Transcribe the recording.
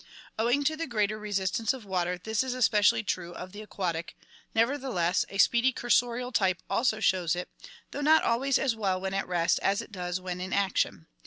Owing to the greater resistance of water, this is especially true of the aquatic, nevertheless a speedy cursorial type also shows it, though not always as well when at rest as it does when in action.